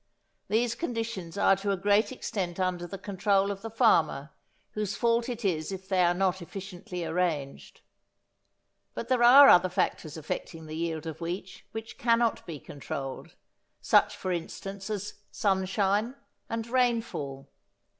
These conditions are to a great extent under the control of the farmer, whose fault it is if they are not efficiently arranged. But there are other factors affecting the yield of wheat which cannot be controlled, such for instance as sunshine and rainfall.